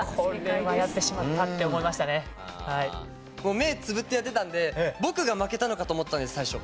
目つぶってやってたんで僕が負けたのかと思ったんです最初。